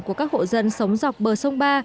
của các hộ dân sống dọc bờ sông ba